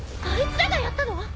あいつらがやったの？